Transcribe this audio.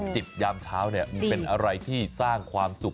ยามเช้ามันเป็นอะไรที่สร้างความสุข